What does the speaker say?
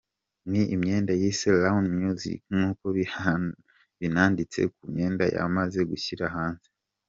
Ni imyenda yise ‘Round Music’ nkuko binanditse ku myenda yamaze gushyira hanze.